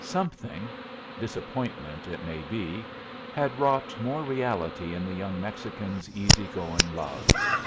Something disappointment, it may be had wrought more reality in the young Mexican's easy going love.